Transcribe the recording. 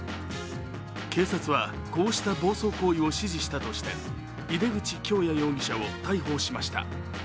警察はこうした暴走行為を指示したとして、井手口響哉容疑者を逮捕しました。